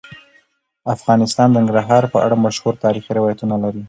افغانستان د ننګرهار په اړه مشهور تاریخی روایتونه لري.